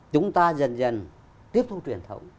chúng ta dần dần tiếp thu truyền thống